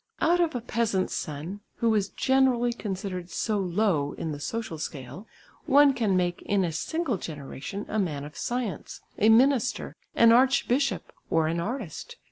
Out of a peasant's son who is generally considered so low in the social scale, one can make in a single generation a man of science, a minister, an arch bishop, or an artist.